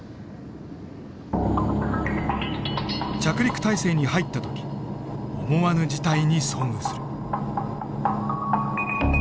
着陸態勢に入った時思わぬ事態に遭遇する。